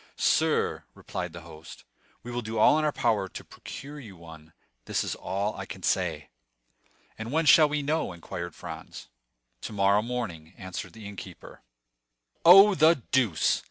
"Sir," replied the host, "we will do all in our power to procure you one—this is all I can say." "And when shall we know?" inquired Franz. "Tomorrow morning," answered the innkeeper. "Oh, the deuce!